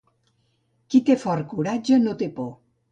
Qui té fort coratge no té por.